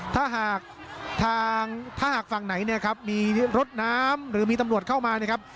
ถ้าหากทางถ้าหากฝั่งไหนเนี่ยครับมีรถน้ำหรือมีตำรวจเข้ามานะครับ